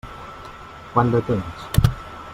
Quant de temps?